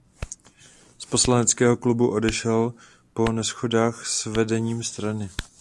Z poslaneckého klubu odešel po neshodách s vedením strany.